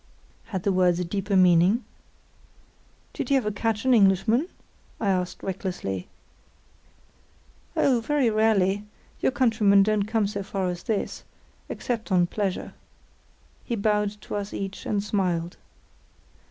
Had the words a deeper meaning? "Do you ever catch an Englishman?" I asked, recklessly. "Oh, very rarely; your countrymen don't come so far as this—except on pleasure." He bowed to us each and smiled.